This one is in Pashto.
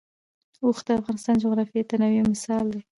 اوښ د افغانستان د جغرافیوي تنوع یو مثال دی.